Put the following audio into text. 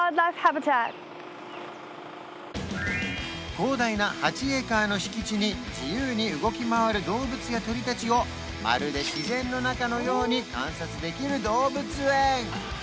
広大な８エーカーの敷地に自由に動き回る動物や鳥達をまるで自然の中のように観察できる動物園